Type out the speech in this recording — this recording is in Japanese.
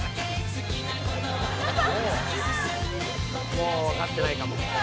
「もうわかってないかも」